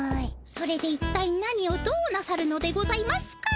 それでいったい何をどうなさるのでございますか？